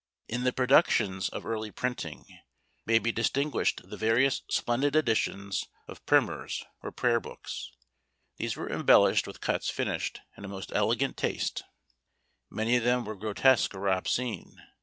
In the productions of early printing may be distinguished the various splendid editions of Primers, or Prayer books. These were embellished with cuts finished in a most elegant taste: many of them were grotesque or obscene.